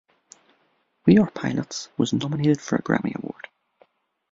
"We Are Pilots" was nominated for a Grammy Award.